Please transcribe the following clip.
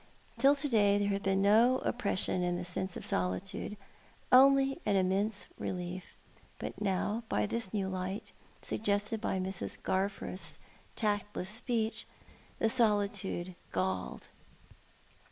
Till to day there had been no oppression in the sense of solitude, only an immense relief, but now, by this new light, suggested by Mrs. Garforth's tactless speech, the solitude galled.